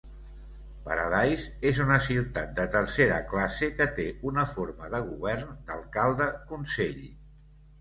Paradise és una ciutat de tercera classe que té una forma de govern d'alcalde-consell.